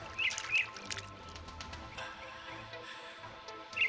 ini udah kaget